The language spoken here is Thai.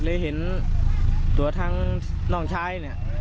เลยเห็นตัวทั้งน้องชายเนี่ย